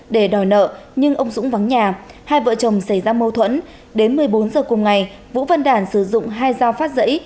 để đòi nợ nhưng ông dũng vắng nhà hai vợ chồng xảy ra mâu thuẫn đến một mươi bốn giờ cùng ngày vũ văn đản sử dụng hai dao phát rẫy